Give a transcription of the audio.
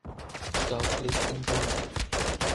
Stauf lebt in Bonn.